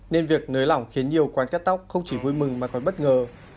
nên việc nới lỏng khiến nhiều quán cắt tóc không chỉ vui mừng mà còn bất ngờ